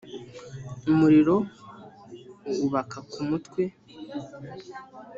umuriro ubaka ku mutwe .